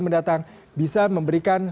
mendatang bisa memberikan